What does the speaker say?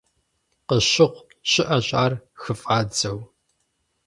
Къыщыхъу щыӀэщ ар хыфӀадзэу.